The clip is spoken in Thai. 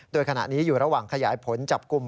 โดยขณะนี้อยู่ระหว่างขยายผลจับกลุ่ม